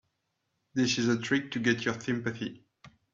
This is a trick to get your sympathy.